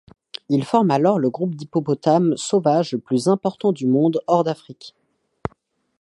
Ils forment alors le groupe d'hippopotames sauvages le plus important du monde hors d'Afrique.